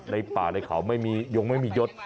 ในป่าในเข่ายงไม่มียด